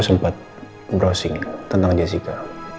aku sempet browsing tentang jessica